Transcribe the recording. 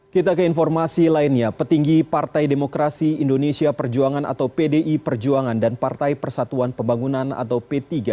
kita ke informasi lainnya petinggi partai demokrasi indonesia perjuangan atau pdi perjuangan dan partai persatuan pembangunan atau p tiga